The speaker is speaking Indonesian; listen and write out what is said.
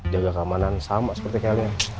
jaga keamanan sama seperti kalian